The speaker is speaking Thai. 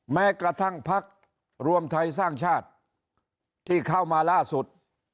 แม้กระทั่งพักรวมไทยสร้างชาติที่เข้ามาล่าสุด